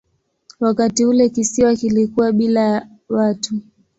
Wakati ule kisiwa kilikuwa bila watu.